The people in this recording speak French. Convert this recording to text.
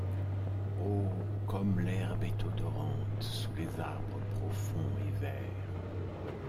Oh ! comme l’herbe est odorante Sous les arbres profonds et verts !